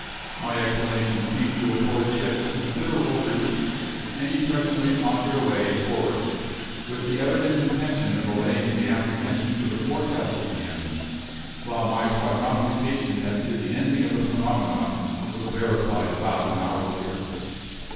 My explanation seemed to afford Chips considerable relief, and he presently sauntered away for'ard, with the evident intention of allaying the apprehensions of the forecastle hands; while my prognostication as to the ending of the phenomenon was verified about an hour later.